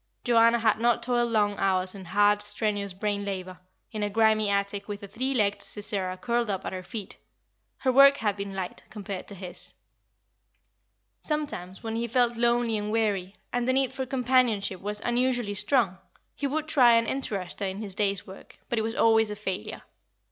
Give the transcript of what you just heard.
Joanna had not toiled long hours in hard, strenuous brain labour, in a grimy attic, with a three legged Sisera curled up at her feet; her work had been light, compared to his. Sometimes, when he felt lonely and weary, and the need for companionship was unusually strong, he would try and interest her in his day's work; but it was always a failure.